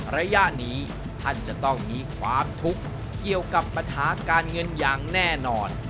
ระยะนี้ท่านจะต้องมีความทุกข์เกี่ยวกับปัญหาการเงินอย่างแน่นอน